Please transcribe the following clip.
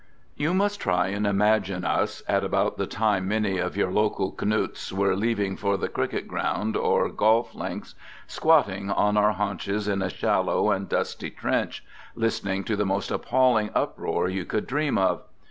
You must try and imagine us (at about the time many of your local " knuts " were leaving for the cricket ground or golf links) squatting on our haunches in a shallow and dusty trench, listening to the most appalling uproar you could dream of.